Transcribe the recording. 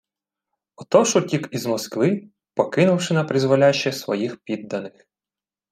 Отож утік із Москви, покинувши напризволяще своїх підданих